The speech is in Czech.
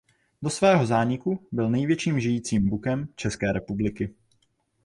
Do svého zániku byl největším žijícím bukem České republiky.